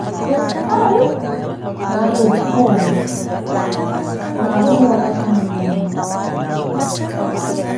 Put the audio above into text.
Aari woohowa na aari owalaka manyaanya.